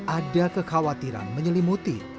ada kekhawatiran menyelimuti